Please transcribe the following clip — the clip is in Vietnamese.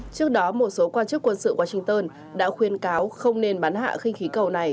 trước đó một số quan chức quân sự washington đã khuyên cáo không nên bắn hạ khinh khí cầu này